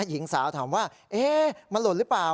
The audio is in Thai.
หญิงสาวถามว่ามันหล่นหรือเปล่า